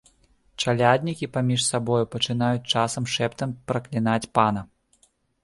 Чаляднікі паміж сабою пачынаюць часам шэптам праклінаць пана.